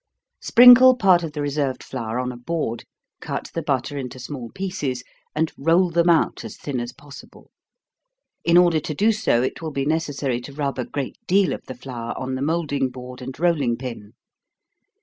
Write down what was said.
Sprinkle part of the reserved flour on a board, cut the butter into small pieces, and roll them out as thin as possible. In order to do so, it will be necessary to rub a great deal of the flour on the moulding board and rolling pin.